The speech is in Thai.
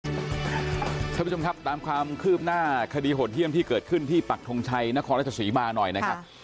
คุณผู้ชมครับตามความคืบหน้าคดีโหดเยี่ยมที่เกิดขึ้นที่ปักทงชัยนครราชสีมาหน่อยนะครับ